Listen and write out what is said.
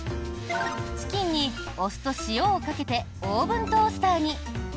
チキンにお酢と塩をかけてオーブントースターに。